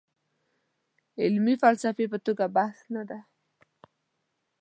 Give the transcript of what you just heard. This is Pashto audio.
علمي فلسفي توګه بحث نه دی.